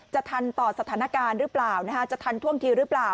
ทันต่อสถานการณ์หรือเปล่าจะทันท่วงทีหรือเปล่า